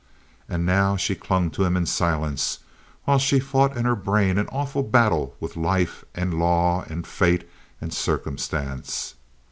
And now she clung to him in silence while she fought in her brain an awful battle with life and law and fate and circumstance.